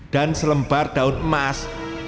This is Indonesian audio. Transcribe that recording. dan selembar daun emas